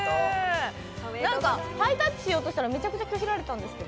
ハイタッチしようとしたらめちゃくちゃ拒否られたんですけど。